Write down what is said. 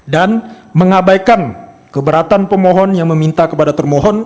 dan mengabaikan keberatan pemohon yang meminta kepada termohon